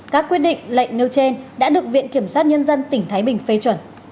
các quyết định lệnh nêu trên đã được viện kiểm sát nhân dân tỉnh thái bình phê chuẩn